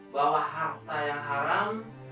bahwa harta yang haram